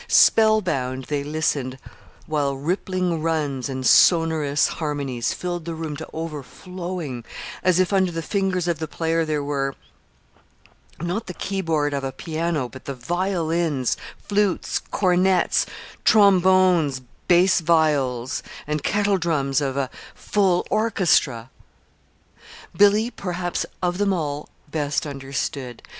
Spellbound they listened while rippling runs and sonorous harmonies filled the room to overflowing, as if under the fingers of the player there were not the keyboard of a piano but the violins, flutes, cornets, trombones, bass viols and kettledrums of a full orchestra. Billy, perhaps, of them all, best understood.